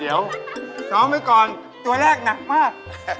เดี๋ยวซ้อมไว้ก่อนตัวแรกหนักมาก